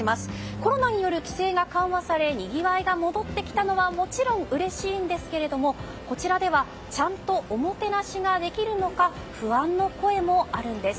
コロナによる規制が緩和されにぎわいが戻ってきたのはもちろん、うれしいんですけれどこちらではちゃんとおもてなしができるのか不安の声もあるんです。